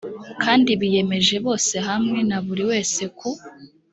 kandi biyemeje bose hamwe na buri wese ku